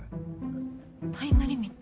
あっタイムリミット。